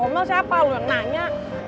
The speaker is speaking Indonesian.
ngomel siapa lo yang nanya